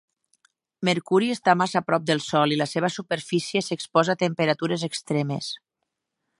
Mercuri està massa prop del Sol i la seva superfície s'exposa a temperatures extremes.